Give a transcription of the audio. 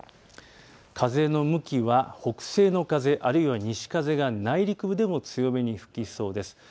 風の向きは北西の風、あるいは西風が内陸部で強めに吹きそうです。